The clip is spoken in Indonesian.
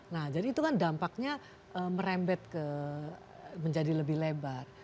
nah jadi itu kan dampaknya merembet menjadi lebih lebar